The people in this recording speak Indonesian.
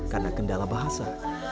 karena kendala bahasa